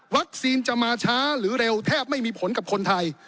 จะมาช้าหรือเร็วแทบไม่มีผลกับคนไทย